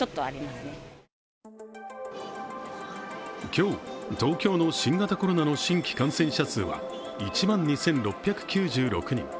今日、東京の新型コロナの新規感染者数は１万２６９６人。